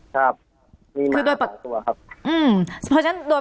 ครับมีหมา๓ตัวครับ